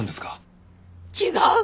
違う！